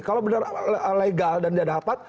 kalau benar legal dan dia dapat